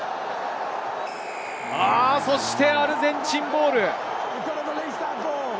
そしてアルゼンチンボール。